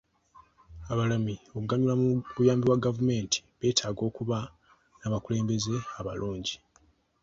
Abalimi okuganyulwa mu buyambi bwa gavumenti, beetaaga okuba n'abakulembeze abalungi.